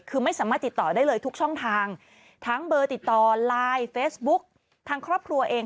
คือไม่สามารถติดต่อได้เลยทุกช่องทางทั้งเบอร์ติดต่อไลน์เฟซบุ๊กทางครอบครัวเอง